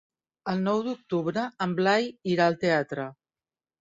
El nou d'octubre en Blai irà al teatre.